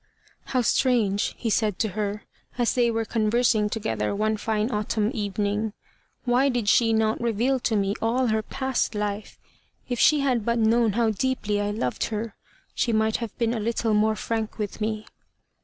"How strange," he said to her, as they were conversing together one fine autumn evening. "Why did she not reveal to me all her past life? If she had but known how deeply I loved her, she might have been a little more frank with me."